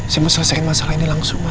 saya mau selesai masalah ini langsung maaf